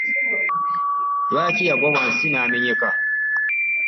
Lwaki yagwa wansi n'amenyeka?